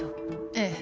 ええ。